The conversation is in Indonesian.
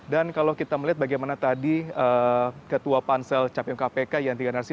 dan kalau kita melihat bagaimana tadi ketua pansel capil kpk yanti ganarsi